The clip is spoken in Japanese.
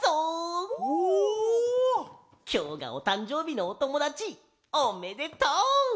きょうがおたんじょうびのおともだちおめでとう！